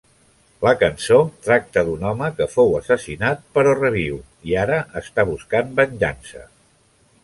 La cançó tracta d'un home que fou assassinat però reviu, i ara està buscant venjança.